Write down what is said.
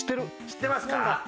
知ってますか？